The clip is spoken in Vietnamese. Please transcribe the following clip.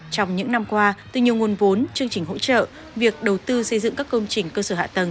trong những năm qua từ nhiều nguồn vốn chương trình hỗ trợ việc đầu tư xây dựng các công trình cơ sở hạ tầng